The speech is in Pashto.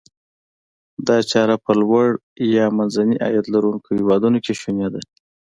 دا چاره په لوړ او یا منځني عاید لرونکو هیوادونو کې شوني ده.